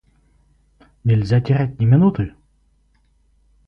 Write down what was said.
Нельзя терять ни минуты.